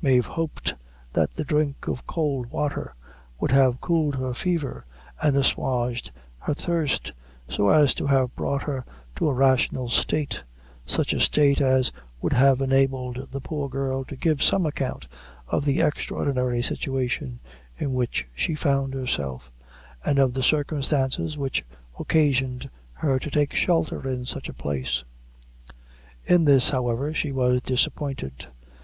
Mave hoped that the drink of cold water would have cooled her fever and assuaged her thirst, so as to have brought her to a rational state such a state as would have enabled the poor girl to give some account of the extraordinary situation in which she found herself, and of the circumstances which occasioned her to take shelter in such a place. In this, however, she was disappointed.